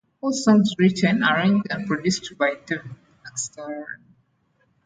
All songs written, arranged, and produced by David Axelrod.